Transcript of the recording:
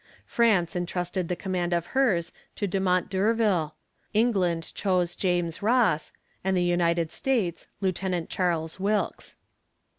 France entrusted the command of hers to Dumont d'Urville; England chose James Ross; and the United States, Lieutenant Charles Wilkes.